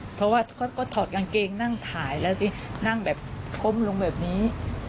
เพราะว่าเขาก็ถอดกางเกงนั่งถ่ายแล้วสินั่งแบบก้มลงแบบนี้